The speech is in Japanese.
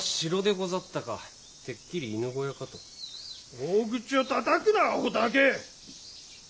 大口をたたくなあほたわけ！